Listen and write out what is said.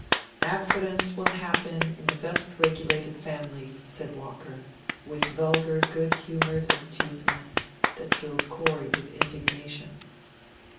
"Accidents will happen in the best regulated families," said Walker, with vulgar, good humoured obtuseness that filled Corey with indignation.